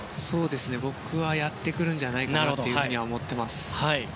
僕は、やってくるんじゃないかなと思ってます。